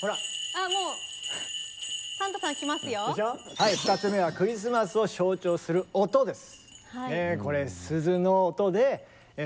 はい２つ目はクリスマスを象徴する音です。